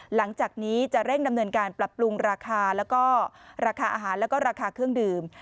หลังจากนี้จะเร่งดำเนินการปรับปรุงราคาแล้วก็ราคาอาหารแล้วก็ราคาเครื่องดื่ม